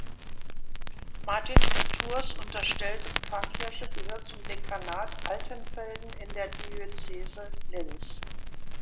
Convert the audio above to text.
Martin von Tours unterstellte Pfarrkirche gehört zum Dekanat Altenfelden in der Diözese Linz.